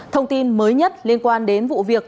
thông tin mới nhất liên quan đến vụ việc